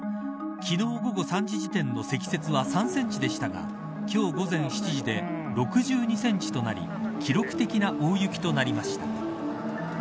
昨日午後３時時点の積雪は３センチでしたが今日午前７時で６２センチとなり記録的な大雪となりました。